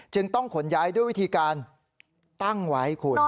ต้องขนย้ายด้วยวิธีการตั้งไว้คุณ